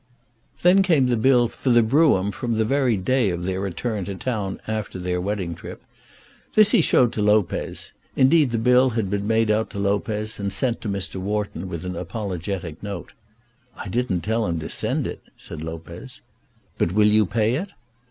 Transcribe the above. Then came the bill for the brougham, for the brougham from the very day of their return to town after their wedding trip. This he showed to Lopez. Indeed the bill had been made out to Lopez and sent to Mr. Wharton with an apologetic note. "I didn't tell him to send it," said Lopez. "But will you pay it?"